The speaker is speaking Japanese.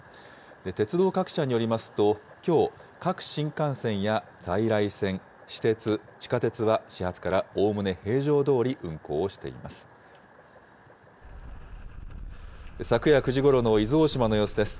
鉄道各社によりますと、きょう、各新幹線や在来線、私鉄、地下鉄は始発からおおむね平常どおり運行をしています。